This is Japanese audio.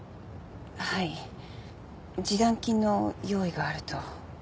はい示談金の用意があると。